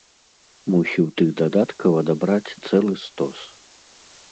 Мусіў тых дадаткаў адабраць цэлы стос.